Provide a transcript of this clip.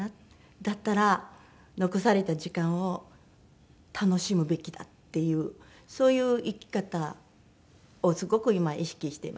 だったら残された時間を楽しむべきだっていうそういう生き方をすごく今意識しています。